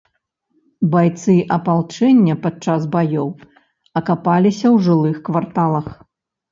Байцы апалчэння падчас баёў акапаліся ў жылых кварталах.